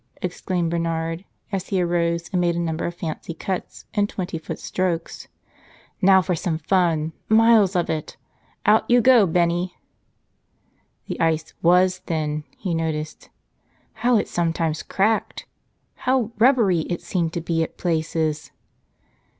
exclaimed Bernard, as he arose and made a number of fancy cuts and twenty foot strokes. "Now for some fun — miles of it! Out you go, Bennie!'' The ice was thin, he noticed. How it sometimes cracked! How "rubbery" it seemed to be at places!